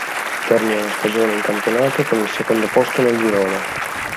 Termina la stagione in campionato con il secondo posto nel girone.